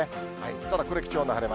ただこれ、貴重な晴れ間。